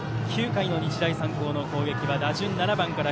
９回の日大三高の攻撃は打順７番から。